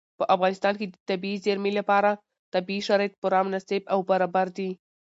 په افغانستان کې د طبیعي زیرمې لپاره طبیعي شرایط پوره مناسب او برابر دي.